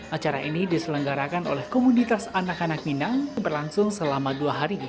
acara ini diselenggarakan oleh komunitas anak anak minang berlangsung selama dua hari